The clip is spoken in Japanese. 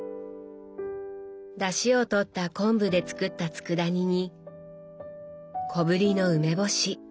だしをとった昆布で作ったつくだ煮に小ぶりの梅干し。